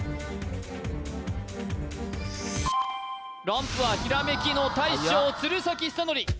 ランプはひらめきの大将鶴崎修功